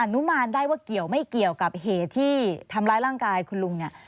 นุมานได้ว่าเกี่ยวไม่เกี่ยวกับเหตุที่ทำร้ายร่างกายคุณลุงเนี่ย